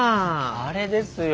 あれですよ。